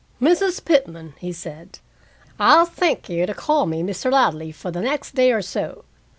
"Mrs. Pitman," he said, "I'll thank you to call me Mr. Ladley for the next day or so.